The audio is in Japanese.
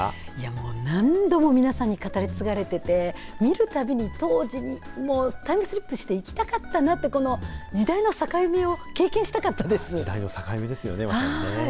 もう、何度も皆さんに語り継がれてて、見るたびに当時にタイムスリップして行きたかったなと、時代の境目を経験したかっ時代の境目ですよね、まさにね。